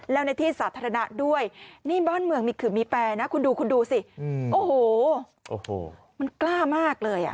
แล้วในที่สาธารณะด้วย